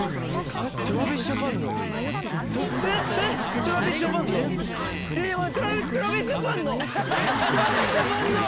えっ待ってＴｒａｖｉｓＪａｐａｎのＴｒａｖｉｓＪａｐａｎの。